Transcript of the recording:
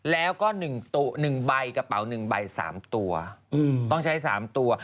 แล้วก็๑ใบกระเป๋า๑ใบ๓ตัวต้องใช้๓ตัว